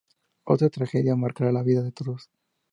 Otra tragedia marcará la vida de todos.